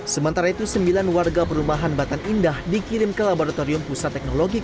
sementara itu sembilan warga perumahan batan indah dikirim ke laboratorium pusat teknologi